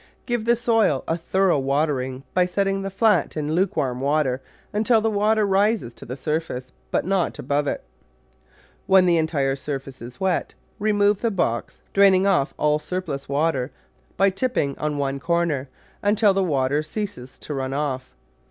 Give the soil a thorough watering by setting the flat in lukewarm water until the water rises to the surface, but not above it. When the entire surface is wet, remove the box, draining off all surplus water by tipping on one corner, until the water ceases to run off.